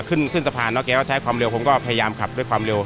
ขึ้นขึ้นสะพานแล้วแกก็ใช้ความเร็วผมก็พยายามขับด้วยความเร็ว